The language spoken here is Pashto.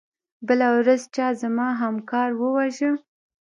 بله ورځ چا زما همکار وواژه.